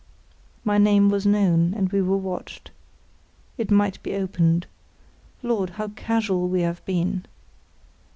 My name was known, and we were watched. It might be opened. Lord, how casual we have been!